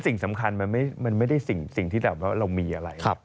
สิ่งสำคัญมันไม่ได้สิ่งที่แบบว่าเรามีอะไร